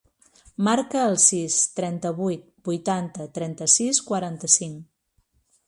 Marca el sis, trenta-vuit, vuitanta, trenta-sis, quaranta-cinc.